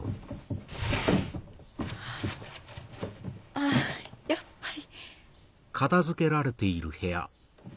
あぁやっぱり。